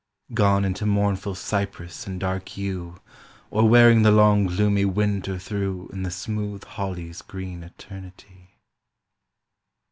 Gone into mournful cypress and dark yew, Or wearing the long gloomy Winter through In the smooth holly's green eternity.